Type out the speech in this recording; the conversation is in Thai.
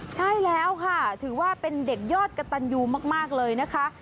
ใช่แล้วค่ะถือว่าเป็นเด็กยอดกระตันยูมากเลยนะคะ